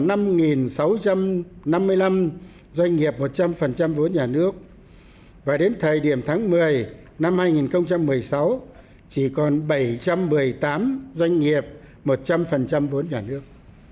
doanh nghiệp một trăm linh vốn nhà nước và đến thời điểm tháng một mươi năm hai nghìn một mươi sáu chỉ còn bảy trăm một mươi tám doanh nghiệp một trăm linh vốn nhà nước